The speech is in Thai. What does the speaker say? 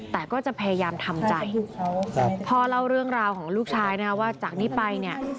แต่ก็จะพยายามทำใจพ่อเล่าเรื่องราวของลูกชายนะว่าจากนี้ไปเนี่ย